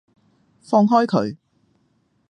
放開佢！